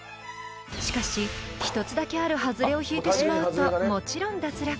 ［しかし１つだけあるハズレを引いてしまうともちろん脱落］